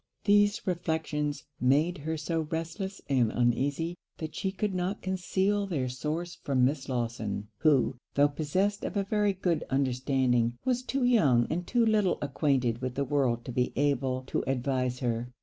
These reflections made her so restless and uneasy that she could not conceal their source from Miss Lawson; who, tho' possessed of a very good understanding, was too young and too little acquainted with the world to be able to advise her.